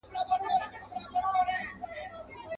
ستا د کتاب د ښوونځیو وطن.